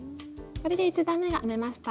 これで１段めが編めました。